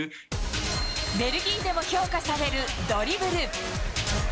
ベルギーでも評価されるドリブル。